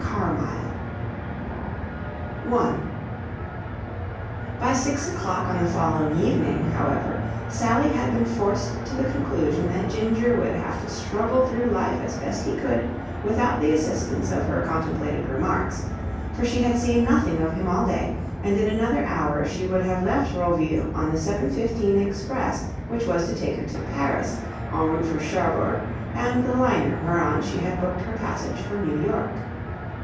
CARMYLE 1 By six o'clock on the following evening, however, Sally had been forced to the conclusion that Ginger would have to struggle through life as best he could without the assistance of her contemplated remarks: for she had seen nothing of him all day and in another hour she would have left Roville on the seven fifteen express which was to take her to Paris, en route for Cherbourg and the liner whereon she had booked her passage for New York.